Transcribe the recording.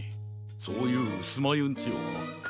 そういううすまゆんちは？